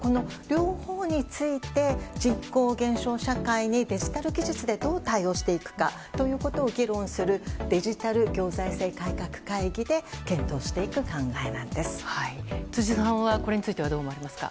この両方について人口現象社会にデジタル技術でどう対応していくかを議論するデジタル行政財政改革会議で辻さんはこれについてはどう思われますか。